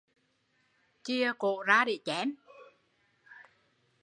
Chìa cổ ra để chém